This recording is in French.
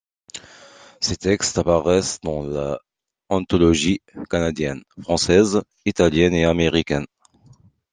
Ses textes apparaissent dans des anthologies canadiennes, françaises, italiennes et américaines.